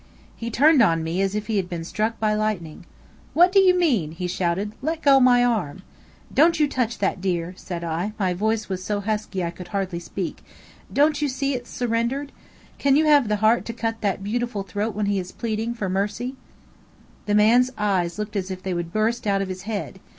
He turned on me as if he had been struck by lightning. "What do you mean?" he shouted. "Let go my arm." "Don't you touch that deer," said I my voice was so husky I could hardly speak "don't you see it's surrendered? Can you have the heart to cut that beautiful throat when he is pleading for mercy?" The man's eyes looked as if they would burst out of his head.